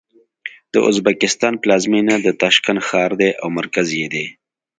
د ازبکستان پلازمېنه د تاشکند ښار دی او مرکز یې دی.